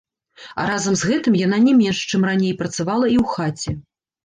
А разам з гэтым яна не менш, чым раней, працавала і ў хаце.